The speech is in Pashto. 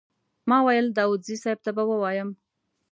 ما ویل داوودزي صیب ته به ووایم.